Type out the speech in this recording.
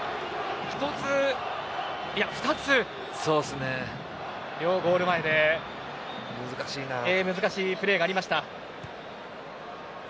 ２つ、ゴール前で難しいプレーがありました。